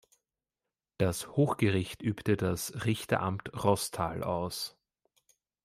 Das Hochgericht übte das Richteramt Roßtal aus.